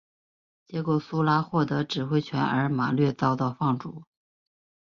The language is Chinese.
结果苏拉获得指挥权而马略遭到放逐。